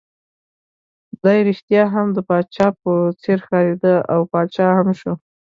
دی ريښتیا هم د پاچا په څېر ښکارېد، او پاچا هم شو.